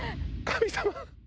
神様。